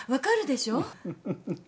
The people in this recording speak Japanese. フフフフフ。